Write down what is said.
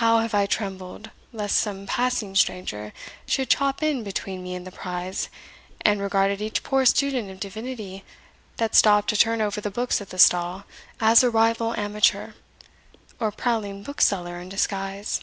how have I trembled, lest some passing stranger should chop in between me and the prize, and regarded each poor student of divinity that stopped to turn over the books at the stall, as a rival amateur, or prowling bookseller in disguise!